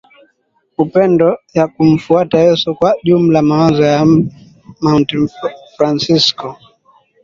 upendo ya kumfuata Yesu Kwa jumla mawazo ya Mt Fransisko